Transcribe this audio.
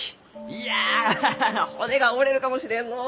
いやハハハ骨が折れるかもしれんのう。